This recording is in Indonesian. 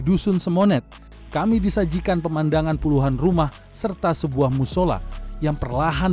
tempat tinggal bukan satu satunya yang hilang